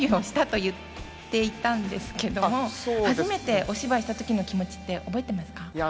そう言っていたんですけれども、初めてお芝居したときの気持ちって覚えていますか？